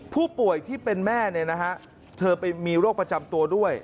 ผู้ป่วยที่เป็นแม่เนี่ยนะฮะเธอไปมีโรคประจำตัวด้วย